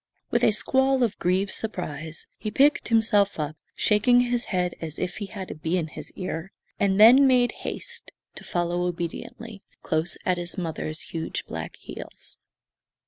With a squall of grieved surprise he picked himself up, shaking his head as if he had a bee in his ear, and then made haste to follow obediently, close at his mother's huge black heels.